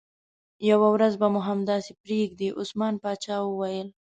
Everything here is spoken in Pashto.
یوه ورځ به مو همداسې پرېږدي، عثمان باچا وویل.